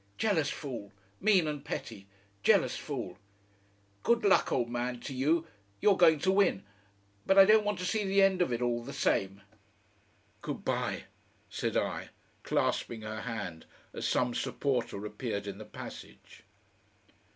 "Jealous fool, mean and petty, jealous fool!... Good luck, old man, to you! You're going to win. But I don't want to see the end of it all the same...." "Good bye!" said I, clasping her hand as some supporter appeared in the passage....